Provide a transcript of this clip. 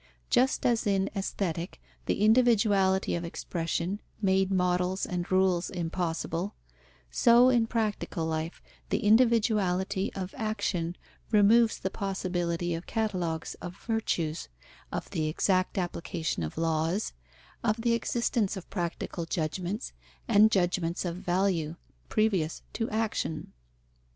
Just as in Aesthetic the individuality of expression made models and rules impossible, so in practical life the individuality of action removes the possibility of catalogues of virtues, of the exact application of laws, of the existence of practical judgments and judgments of value previous to action.